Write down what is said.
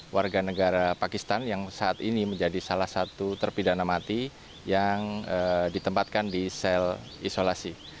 warga negara pakistan yang saat ini menjadi salah satu terpidana mati yang ditempatkan di sel isolasi